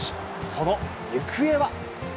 その行方は。